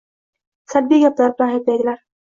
Salbiy gaplar bilan ayblaydilar.